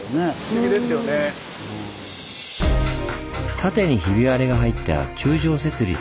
縦にひび割れが入った柱状節理。